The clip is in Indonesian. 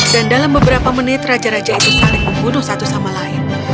dan dalam beberapa menit raja raja itu saling membunuh satu sama lain